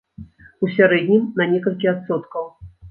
У сярэднім, на некалькі адсоткаў.